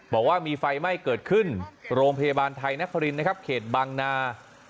บอกว่ามีไฟไหม้เกิดขึ้นโรงพยาบาลไทยนครินนะครับเขตบางนา